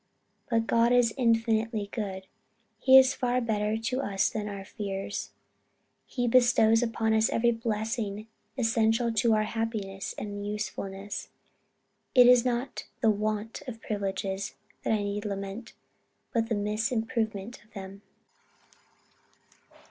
But God is infinitely good, he is far better to us than our fears. He bestows upon us every blessing essential to our happiness and usefulness. It is not the want of privileges that I need lament, but the misimprovement of them."